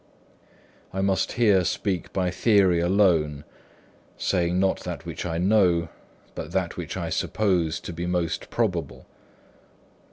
I must here speak by theory alone, saying not that which I know, but that which I suppose to be most probable.